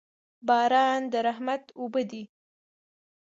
باران د رحمت اوبه دي.